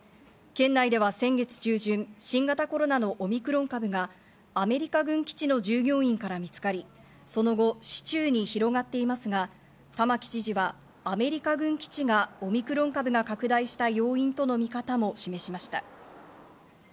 県内では先月中旬、新型コロナのオミクロン株がアメリカ軍基地の従業員から見つかり、その後、市中に広がっていますが、玉城知事はアメリカ軍基地がオミクロン株が拡大した要因との見方も示しました。